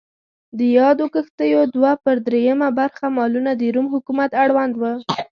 د یادو کښتیو دوه پر درېیمه برخه مالونه د روم حکومت اړوند و.